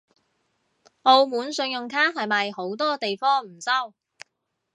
澳門信用卡係咪好多地方唔收？